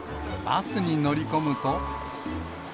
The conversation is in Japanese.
バスに乗り込むと。